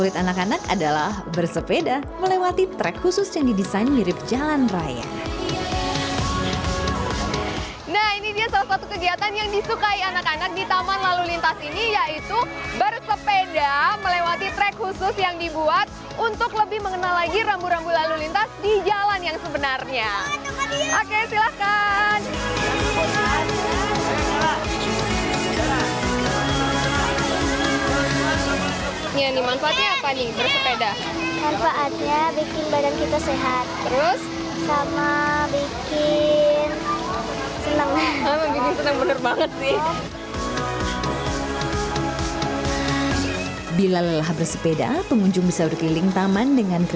taman wisata ikonek